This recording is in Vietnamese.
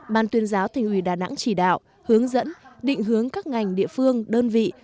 ban tuyên giáo thành ủy đà nẵng chỉ đạo hướng dẫn định hướng các ngành địa phương đơn vị